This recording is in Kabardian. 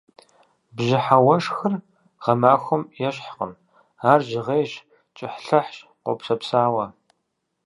Бжьыхьэ уэшхыр гъэмахуэм ещхькъым, ар жьгъейщ, кӏыхьлӏыхьщ, къопсэпсауэ.